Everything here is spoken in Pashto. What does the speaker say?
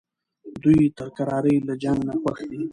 دوی تر کرارۍ له جنګ نه خوښ دي.